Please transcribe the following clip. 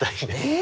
え？